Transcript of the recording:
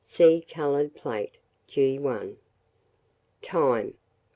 See coloured plate, G1. Time.